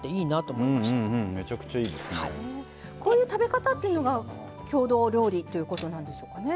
こういう食べ方っていうのが郷土料理ということなんでしょうかね。